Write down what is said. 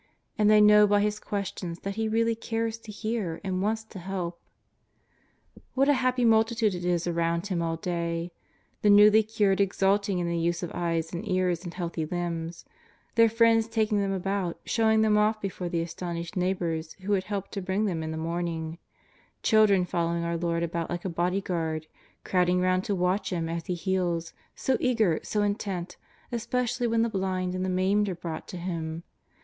And they know by His questions that He really cares to hear and wants to help. What a happy multitude it is around Him all day! The newly cured exulting in the use of eyes and ears and healthy limbs ; their friends taking them about, sho^dng them off before the astonished neighbours who had helped to bring them in the morning; the children following our Lord about like a bodyguard, crowding round to watch Him as He heals, so eager, so intent, especially when the blind and the maimed are brought to Him.